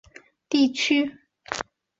大蒙特利尔地区的朗格惠属于该地区。